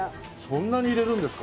そんなに入れるんですか？